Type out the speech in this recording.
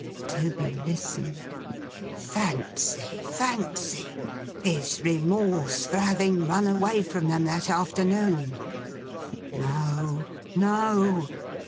Toby listened. Fancy, fancy! His remorse for having run away from them that afternoon! No, no.